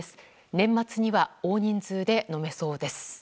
年末には大人数で飲めそうです。